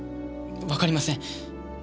わかりません。